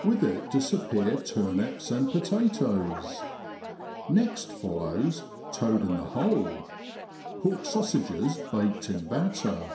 With it disappear turnips and potatoes. Next follows * toad in the hole 'pork sausages baked in batter.